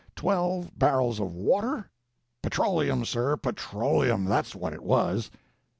Twelve barrels of water? Petroleum, sir, PETROLEUM! that's what it was!"